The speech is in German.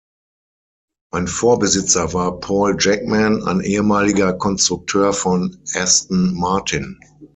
Ein Vorbesitzer war Paul Jackman, ein ehemaliger Konstrukteur von Aston Martin.